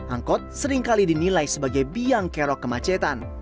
angkot seringkali dinilai sebagai biang kerok kemacetan